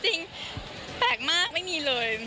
จริงแปลกมากไม่มีเลย